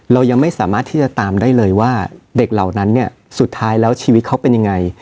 เรายังไม่สามารถที่จะตามได้เลยว่าเด็กเหล่านั้นเนี่ยสุดท้ายแล้วชีวิตเขาเป็นยังไง